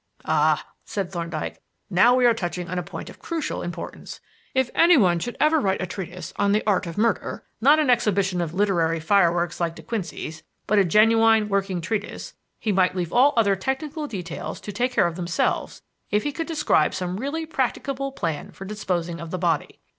"Ah!" said Thorndyke, "now we are touching on a point of crucial importance. If anyone should ever write a treatise on the art of murder not an exhibition of literary fireworks like De Quincey's, but a genuine working treatise he might leave all other technical details to take care of themselves if he could describe some really practicable plan for disposing of the body.